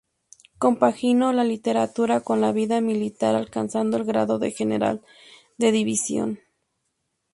Compaginó la literatura con la vida militar alcanzando el grado de general de división.